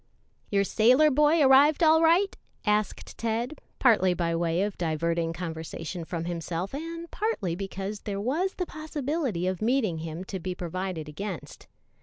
"Your sailor boy arrived all right?" asked Ted, partly by way of diverting conversation from himself and partly because there was the possibility of meeting him to be provided against.